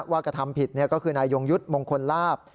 กระทำผิดก็คือนายยงยุทธ์มงคลลาบ